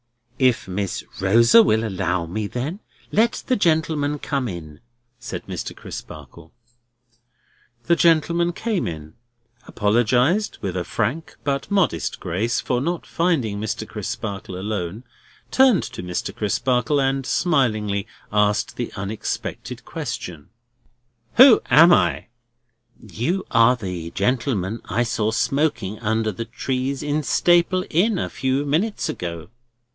"If Miss Rosa will allow me, then? Let the gentleman come in," said Mr. Crisparkle. The gentleman came in; apologised, with a frank but modest grace, for not finding Mr. Crisparkle alone; turned to Mr. Crisparkle, and smilingly asked the unexpected question: "Who am I?" "You are the gentleman I saw smoking under the trees in Staple Inn, a few minutes ago."